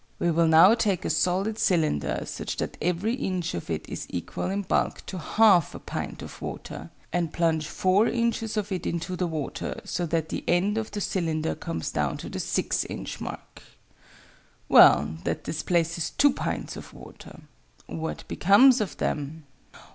We will now take a solid cylinder, such that every inch of it is equal in bulk to half a pint of water, and plunge 4 inches of it into the water, so that the end of the cylinder comes down to the 6 inch mark. Well, that displaces 2 pints of water. What becomes of them?